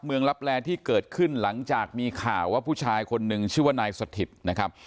ลับแลที่เกิดขึ้นหลังจากมีข่าวว่าผู้ชายคนหนึ่งชื่อว่านายสถิตนะครับ